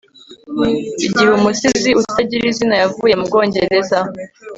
igihe, umusizi utagira izina, yavuye mu bwongereza